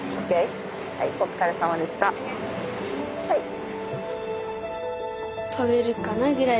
「はい」